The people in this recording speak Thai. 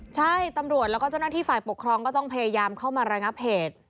ใช่ตำรวจแล้วก็เจ้าหน้าที่ฝ่ายปกครองก็ต้องพยายามเข้ามาระงับเหตุ